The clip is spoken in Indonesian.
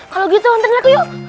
kalau gitu hantarin aku yuk